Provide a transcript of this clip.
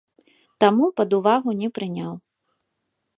Таму пад увагу не прыняў.